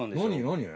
何？